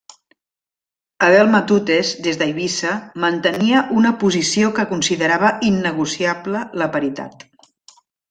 Abel Matutes, des d'Eivissa, mantenia una posició que considerava innegociable la paritat.